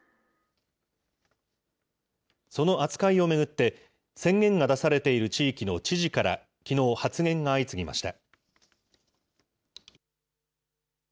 その扱いを巡って、宣言が出されている地域の知事から、きのう発言が相次ぎました。